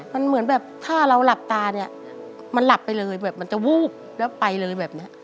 มันเหมือนแบบถ้าเราหลับตาเนี่ยมันหลับไปเลยแบบมันจะวูบแล้วไปเลยแบบเนี้ย